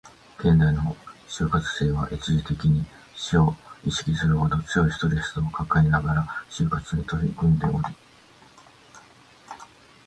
現代の就活生は、一時的に死を意識するほど強いストレスを抱えながら就活に取り組んでおり